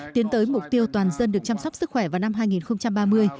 tiến tới mục tiêu toàn dân được chăm sóc sức khỏe vào năm hai nghìn ba mươi